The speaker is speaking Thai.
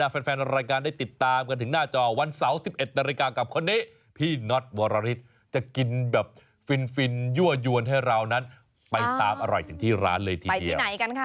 เหยื่องบ้านพระอาทิตย์เลยไปไป